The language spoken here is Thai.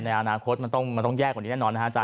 ในอนาคตมันต้องแยกวันนี้แน่นอนนะครับอาจารย์